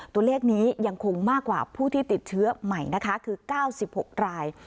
ตัวเลขนี้ยังคงมากกว่าผู้ที่ติดเชื้อใหม่นะคะคือ๙๖ราย